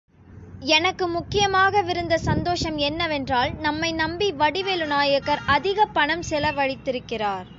எனக்கு முக்கியமாகவிருந்த சந்தோஷம் என்னவென்றால், நம்மை நம்பி வடிவேலு நாயகர், அதிகப் பணம் செலவழித்திருக்கிறார்.